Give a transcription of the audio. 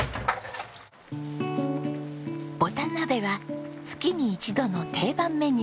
ぼたん鍋は月に一度の定番メニュー。